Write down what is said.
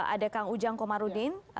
ada kang ujang komarudin